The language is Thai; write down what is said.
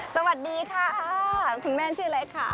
สวัสดีครับคุณแม่ชื่ออะไรค่ะ